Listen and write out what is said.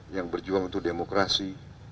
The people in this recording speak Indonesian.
yang berjuang untuk demokrasi